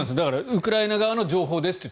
ウクライナ側の情報ですと。